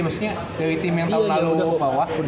maksudnya dari tim yang tahun lalu ke bawah